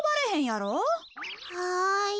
はい。